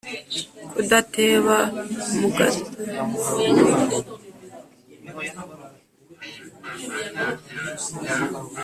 kudateba mu gutabaruka